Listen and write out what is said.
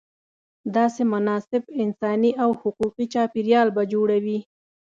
داسې مناسب انساني او حقوقي چاپېریال به جوړوې.